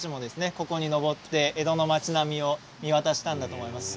ここに上って江戸の街並みを見渡したんだと思います。